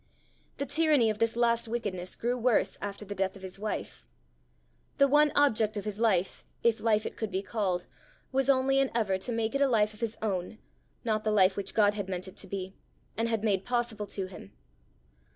The tyranny of this last wickedness grew worse after the death of his wife. The one object of his life, if life it could be called, was only and ever to make it a life of his own, not the life which God had meant it to be, and had made possible to him.